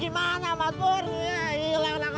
teman yakin berjaya